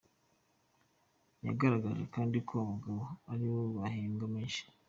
Yagaragaje kandi ko abagabo ari bo bahembwa menshi.